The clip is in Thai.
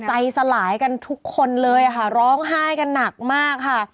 ใจสลายกันทุกคนเลยค่ะร้องไห้กันหนักมากค่ะ